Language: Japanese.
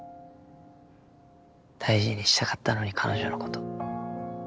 大事にしたかったのに彼女のこと。